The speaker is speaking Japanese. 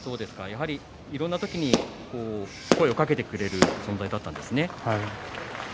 やはりいろんな時に声をかけてくれる存在だったんですね。